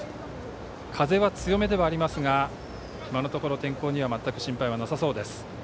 風は強めではありますが今のところ天候には全く心配はなさそうです。